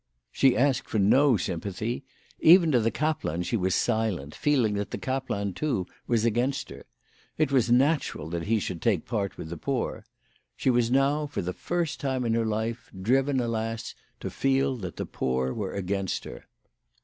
She asked for no sympathy. Even to the kaplan she was silent, feeling that the kaplan, too, was against her. It was natural WHY FRAU FROHMANN RAISED HER PRICES. 61 that lie should take part with the poor. She was now for the first time in her life, driven, alas, to feel that the poor were against her.